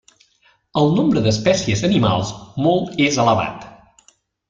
El nombre d'espècies animals molt és elevat.